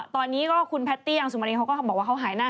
ตอนนี้ก็คุณแพตตี้อย่างสุมารีเขาก็บอกว่าเขาหายหน้า